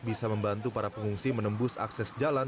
bisa membantu para pengungsi menembus akses jalan